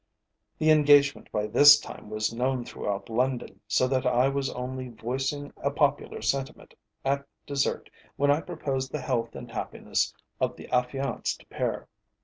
The engagement by this time was known throughout London, so that I was only voicing a popular sentiment, at dessert, when I proposed the health and happiness of the affianced pair.